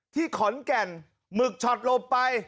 ที่ขอนแก่นหมึกช็อตหลบไป